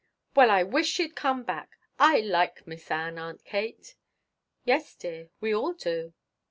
"Well I wish she'd come back. I like Miss Ann, Aunt Kate." "Yes, dear; we all do."